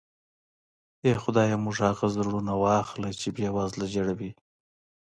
اې خدایه موږ هغه زړونه واخله چې بې وزله ژړوي.